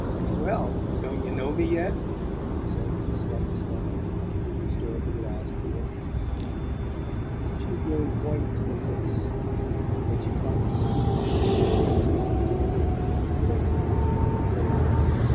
"Well don't you know me yet?" he said with a slight smile, as he restored the glass to her. She had grown white to the lips, and when she tried to speak the effort produced only a faint click in her throat.